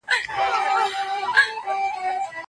که علم وي نو ټولنه نه تیریږي.